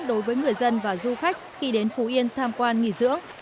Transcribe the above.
đối với người dân và du khách khi đến phú yên tham quan nghỉ dưỡng